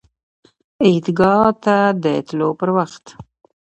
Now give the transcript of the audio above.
عیدګاه ته د تللو پر وخت